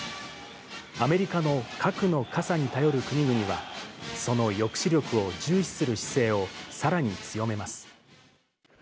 アメリカの核の傘に頼る国々は、その抑止力を重視する姿勢をさらに強めます。